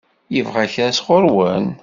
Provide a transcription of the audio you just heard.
Yebɣa kra sɣur-wen?